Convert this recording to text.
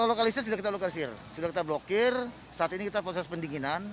kalau lokalisir sudah kita lokasir sudah kita blokir saat ini kita proses pendinginan